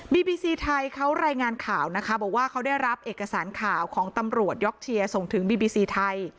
บีซีไทยเขารายงานข่าวนะคะบอกว่าเขาได้รับเอกสารข่าวของตำรวจยอกเชียร์ส่งถึงบีบีซีไทย